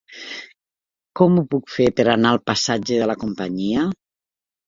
Com ho puc fer per anar al passatge de la Companyia?